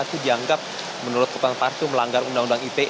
itu dianggap menurut hukuman taris itu melanggar undang undang ite